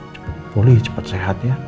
cepet pulih cepet sehat ya